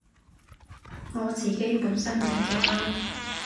我自己本身養嘅貓